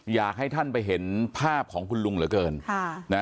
อยากให้ท่านไปเห็นภาพของคุณลุงเหลือเกิน